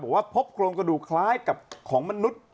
บอกว่าพบโครงกระดูกคล้ายกับของมนุษย์